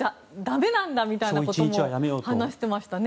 憧れは駄目なんだみたいなことも話していましたね。